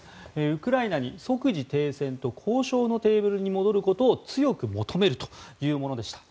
ウクライナに、即時停戦と交渉のテーブルに戻ることを強く求めるというものでした。